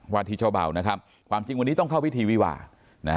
วันที่เฉาบ่าวนะครับความจริงวันนี้ต้องเข้าวิธีวีหว่านะฮะ